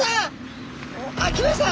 あっ来ました？